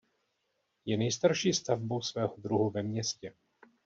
Je nejstarší stavbou svého druhu ve městě.